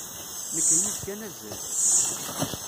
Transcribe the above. Nekk d yid-k ad nazzel.